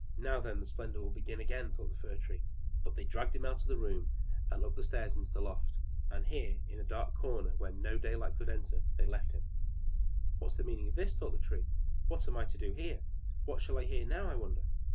"Now then the splendor will begin again," thought the Fir. But they dragged him out of the room, and up the stairs into the loft: and here, in a dark corner, where no daylight could enter, they left him. "What's the meaning of this?" thought the Tree. "What am I to do here? What shall I hear now, I wonder?"